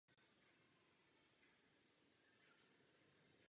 Proto byl malý Jan poslán na výchovu ke své babičce z matčiny strany.